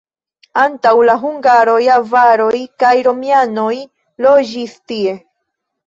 Antaŭ la hungaroj avaroj kaj romianoj loĝis tie.